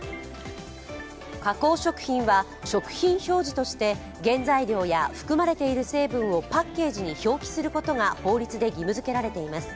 加工食品は食品表示として原材料や含まれている成分をパッケージに表記することが法律で義務づけられています。